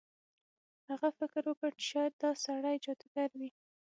هغه فکر وکړ چې شاید دا سړی جادوګر وي.